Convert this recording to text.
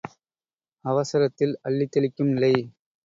அவசரத்தில் அள்ளித் தெளிக்கும் நிலை!